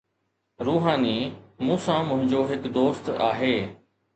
روحاني: مون سان منهنجو هڪ دوست آهي.